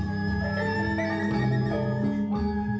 kamu sudah berbohong kepada haji